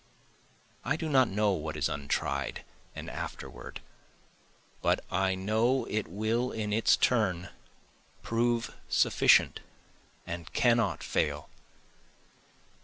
I do not know what is untried and afterward, But I know it will in its turn prove sufficient, and cannot fail.